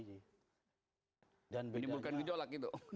menimbulkan gejolak itu